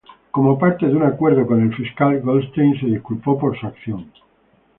Como parte de un acuerdo con el fiscal, Goldstein se disculpó por su acción.